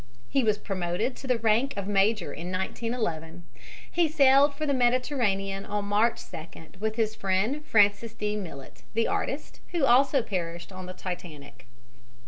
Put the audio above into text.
He was promoted to the rank of major in 1911. He sailed for the Mediterranean on March 2d with his friend Francis D. Millet, the artist, who also perished on the Titanic.